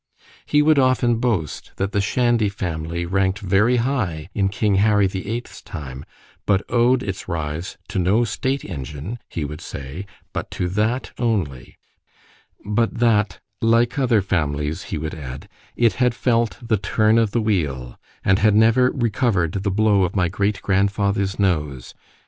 ——He would often boast that the Shandy family rank'd very high in king Harry the VIIIth's time, but owed its rise to no state engine—he would say—but to that only;——but that, like other families, he would add——it had felt the turn of the wheel, and had never recovered the blow of my great grandfather's nose.